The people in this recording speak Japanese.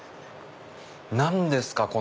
何ですか？